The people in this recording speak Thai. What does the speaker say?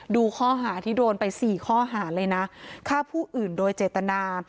ดูข้อหาที่โดนไป๔ข้อหาเลยนะฆ่าผู้อื่นโดยเจตนา